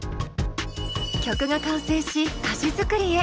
曲が完成し歌詞作りへ。